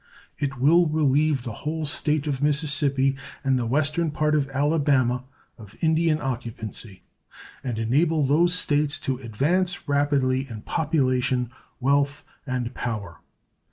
It will relieve the whole State of Mississippi and the western part of Alabama of Indian occupancy, and enable those States to advance rapidly in population, wealth, and power.